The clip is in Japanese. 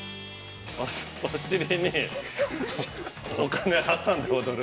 ◆お尻に股間挟んで踊る。